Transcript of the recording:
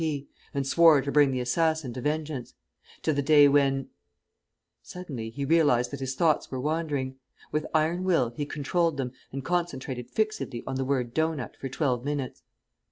P., and swore to bring the assassin to vengeance; to the day when Suddenly he realised that his thoughts were wandering. With iron will he controlled them and concentrated fixedly on the word "dough nut" for twelve minutes.